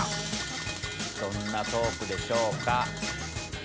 どんなトークでしょうか。